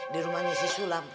di rumahnya si sulam